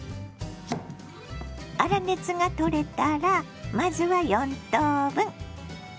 粗熱がとれたらまずは４等分。